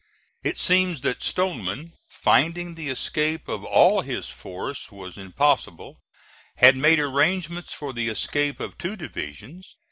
It seems that Stoneman, finding the escape of all his force was impossible, had made arrangements for the escape of two divisions.